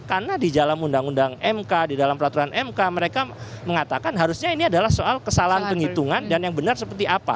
karena di dalam undang undang mk di dalam peraturan mk mereka mengatakan harusnya ini adalah soal kesalahan penghitungan dan yang benar seperti apa